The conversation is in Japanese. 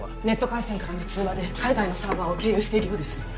ネット回線からの通話で海外のサーバーを経由しているようです